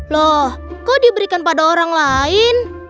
loh kok diberikan pada orang lain